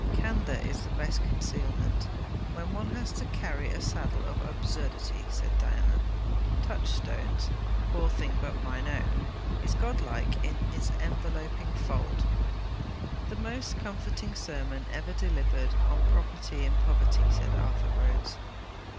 'Candour is the best concealment, when one has to carry a saddle of absurdity,' said Diana. 'Touchstone's "poor thing, but mine own," is godlike in its enveloping fold.' 'The most comforting sermon ever delivered on property in poverty,' said Arthur Rhodes.